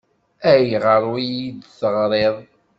Ayɣer ur iyi-d-teɣriḍ?